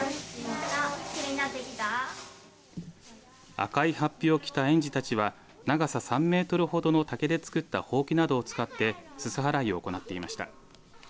赤いはっぴを着た園児たちは長さ３メートルほどの竹で作ったほうきなどを使ってすす払いを行っていました。